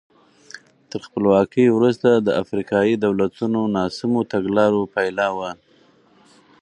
تر خپلواکۍ وروسته د افریقایي دولتونو ناسمو تګلارو پایله وه.